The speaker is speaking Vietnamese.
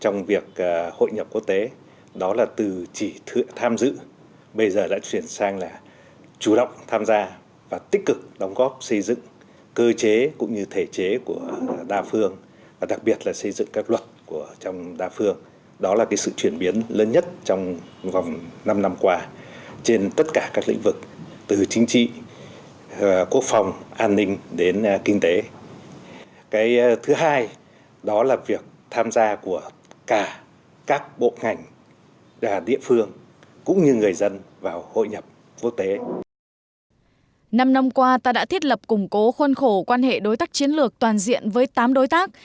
năm năm qua ta đã thiết lập củng cố quan hệ đối tác chiến lược toàn diện với tám đối tác